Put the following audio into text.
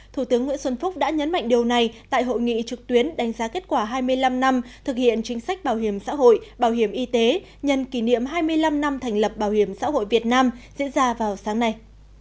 thủ tướng nguyễn xuân phúc đã nhấn mạnh điều này tại hội nghị trực tuyến đánh giá kết quả hai mươi năm năm thực hiện chính sách bảo hiểm xã hội bảo hiểm y tế nhân kỷ niệm hai mươi năm năm thành lập bảo hiểm xã hội việt nam diễn ra vào sáng nay